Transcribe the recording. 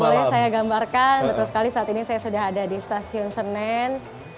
dan kalau boleh saya gambarkan betul sekali saat ini saya sudah ada di stasiun senen